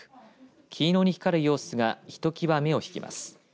金色に光る様子がひときわ目を引きます。